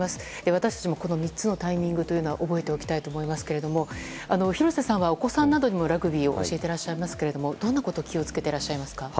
私たちもこの３つのタイミング覚えておきたいと思いますが廣瀬さんはお子さんなどにもラグビーを教えていらっしゃいますがどんなことを気を付けていらっしゃいますか。